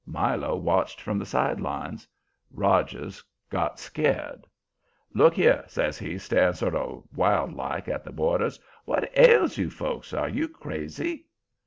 Milo watched from the side lines. Rogers got scared. "Look here," says he, staring sort of wild like at the boarders. "What ails you folks? Are you crazy?"